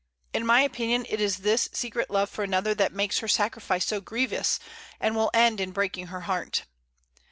In my opinion it is this secret love for another that makes her sacrifice so grievous, and will end in breaking her heart."